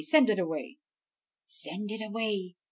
Send it away!" "Send it away!"